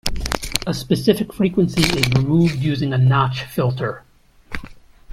A specific frequency is removed using a notch filter.